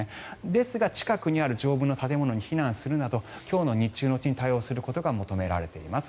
ですが、近くにある丈夫な建物に避難するなど今日の日中のうちに対応することが求められています